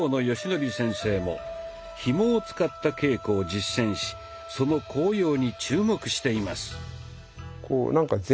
善紀先生もひもを使った稽古を実践しその効用に注目しています。